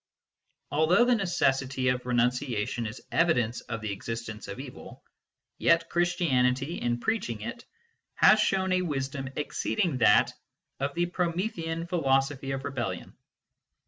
Although the necessity of renunciation is evidence of the existence of evil, yet Christianity, in preaching it, has shown a wisdom exceeding that of the Promethean philosophy of rebellion.